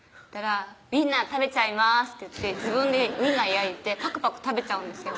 「ウインナー食べちゃいます」って言って自分でウインナー焼いてぱくぱく食べちゃうんですよ